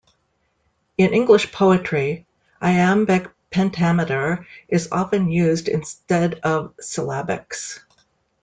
In English poetry, iambic pentameter is often used instead of syllabics.